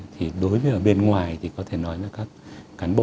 thì đối với ở bên ngoài thì có thể nói là các cán bộ